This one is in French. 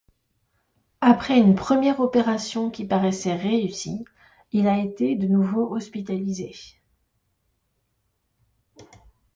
Après une première opération qui paraissait réussie, il a été de nouveau hospitalisé.